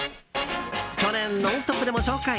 去年「ノンストップ！」でも紹介。